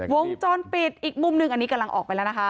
วงจรปิดอีกมุมหนึ่งอันนี้กำลังออกไปแล้วนะคะ